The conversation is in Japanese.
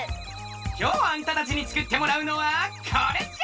きょうあんたたちにつくってもらうのはこれじゃ！